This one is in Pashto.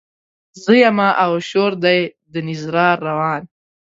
زه يمه او شور دی د نيزار روان